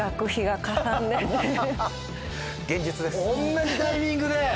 同じタイミングで。